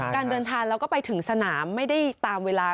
การเดินทางแล้วก็ไปถึงสนามไม่ได้ตามเวลา